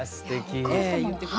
えすてき。